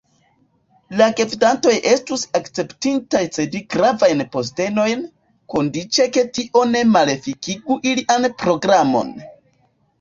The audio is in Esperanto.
La gvidantoj estus akceptintaj cedi gravajn postenojn, kondiĉe ke tio ne malefikigu ilian programon.